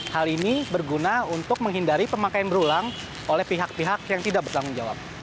hal ini berguna untuk menghindari pemakaian berulang oleh pihak pihak yang tidak bertanggung jawab